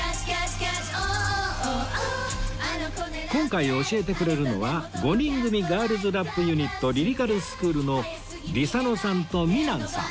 今回教えてくれるのは５人組ガールズラップユニットリリカルスクールの ｒｉｓａｎｏ さんと ｍｉｎａｎ さん